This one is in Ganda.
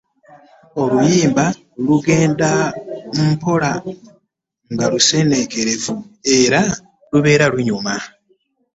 Oluyimba lugenda mpola nga lusenenkerera era lubera lunyuma .